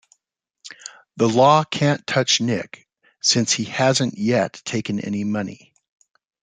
The law can't touch Nick since he hasn't yet taken any money.